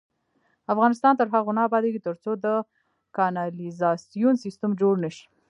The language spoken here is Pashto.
افغانستان تر هغو نه ابادیږي، ترڅو د کانالیزاسیون سیستم جوړ نشي.